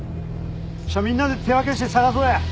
みんなで手分けして捜そうや。